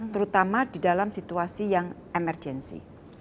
terutama di dalam situasi yang emergensi